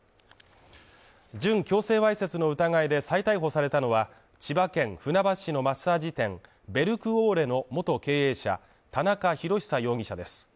準強制わいせつの疑いで再逮捕されたのは、千葉県船橋市のマッサージ店ベルクオーレの元経営者田中裕久容疑者です。